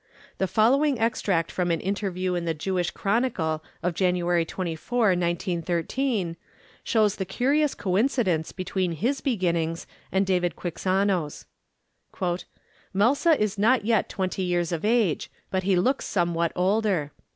The following extract from an interview in the Jewish Chronicle of January 24, 1913, shows the curious coincidence between his beginnings and David Quixano's: "Melsa is not yet twenty years of age, but he looks somewhat older.